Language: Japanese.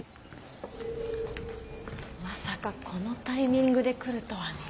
まさかこのタイミングで来るとはね。